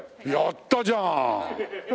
やったじゃん！